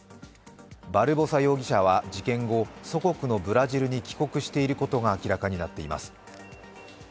バルボサ容疑者は事件後祖国のブラジルに帰国していることが明らかになっています。